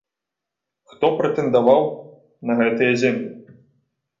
Хто прэтэндаваў на гэтыя землі?